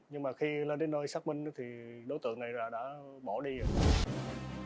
nhưng mà khi lên đến nơi xác minh thì đối tượng này đã bỏ đi rồi